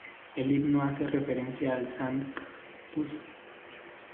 El himno hace referencia al Sanctus.